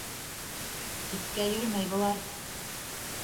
Тиккә йөрөмәй былар.